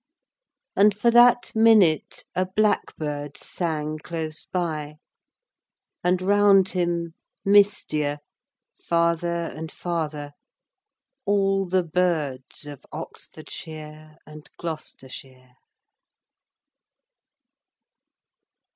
And for that minute a blackbird sang Close by, and round him, mistier, Farther and farther, all the birds Of Oxfordshire and Gloucestershire.